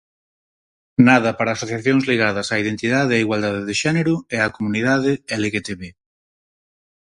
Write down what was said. Nada para asociacións ligadas á identidade e igualdade de xénero e á comunidade elegetebe